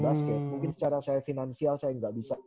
basket mungkin secara saya finansial saya nggak bisa